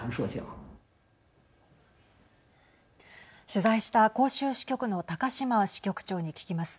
取材した広州支局の高島支局長に聞きます。